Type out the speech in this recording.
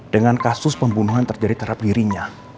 dengan kasus pembunuhan terjadi terhadap dirinya